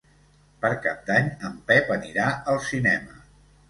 Per Cap d'Any en Pep anirà al cinema.